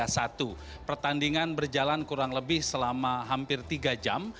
satu pertandingan berjalan kurang lebih selama hampir tiga jam